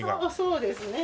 そうですね。